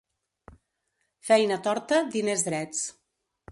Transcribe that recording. Feina torta, diners drets.